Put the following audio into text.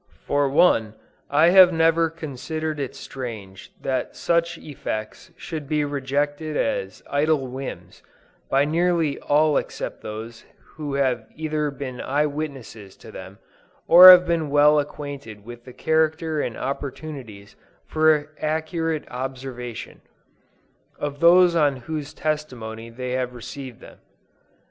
For one, I have never considered it strange that such effects should be rejected as idle whims, by nearly all except those who have either been eye witnesses to them, or have been well acquainted with the character and opportunities for accurate observation, of those on whose testimony they have received them.